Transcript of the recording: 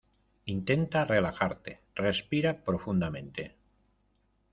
intenta relajarte. respira profundamente .